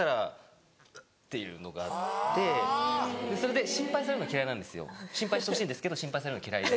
それで心配されるの嫌いなんです心配してほしいんですけど心配されるの嫌いで。